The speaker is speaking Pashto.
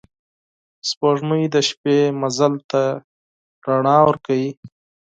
سپوږمۍ د شپې مزل ته رڼا ورکوي